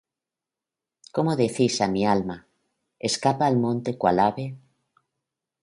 ¿Cómo decís á mi alma: Escapa al monte cual ave?